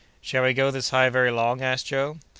"Shall we go this high very long?" asked Joe.